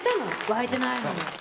沸いてないのに。